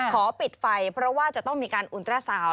ขอปิดไฟเพราะว่าจะต้องมีการอุณตราสาว